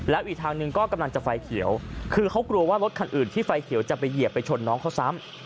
แล้วอีกทางหนึ่งก็กำลังจะไฟเขียวคือเขากลัวว่ารถคันอื่นที่ไฟเขียวจะไปเหยียบไปชนน้องเขาซ้ำ